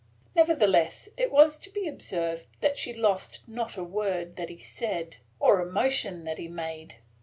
Nevertheless, it was to be observed that she lost not a word that he said, or a motion that he made.